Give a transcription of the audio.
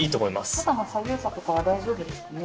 肩の左右差とかは大丈夫ですかね？